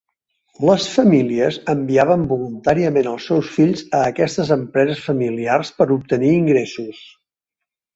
Les famílies enviaven voluntàriament els seus fills a aquestes empreses familiars per obtenir ingressos.